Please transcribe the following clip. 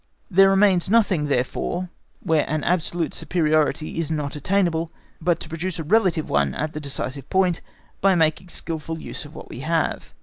There remains nothing, therefore, where an absolute superiority is not attainable, but to produce a relative one at the decisive point, by making skilful use of what we have.